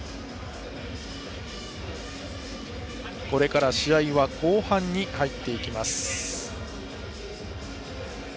これから試合は後半に入ります。